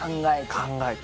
考えて。